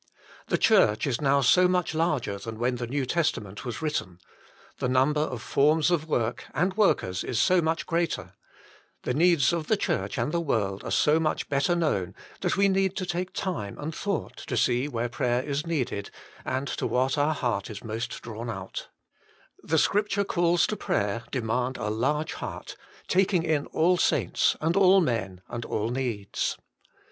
The Church is now so much larger than when the New Testament was written ; the number of forms of work and workers is so much greater ; the needs of the Church and the world are so much better known, that we need to take time and thought to see where prayer is needed, and to what our heart ia most drawn out. 2 THE MINISTRY OF INTERCESSION The Scripture calls to prayer demand a large heart, taking in all saints, and all men, and all needs.